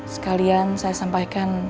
sekalian saya sampaikan